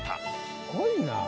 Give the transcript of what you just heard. すごいな。